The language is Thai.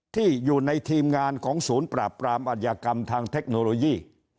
ที่อยู่ในทีมงานของศูนย์ปราบปรามอัธยากรรมทางเทคโนโลยี